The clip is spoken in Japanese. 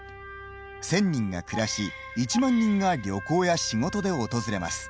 １０００人が暮らし１万人が旅行や仕事で訪れます。